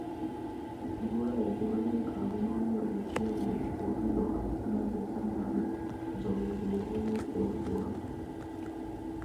গোরা একেবারেই আগুন হইয়া উঠিয়া কহিল, আপনার এখানে আমি জলগ্রহণও করব না।